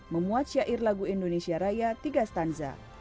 memuat syair lagu indonesia raya tiga stanza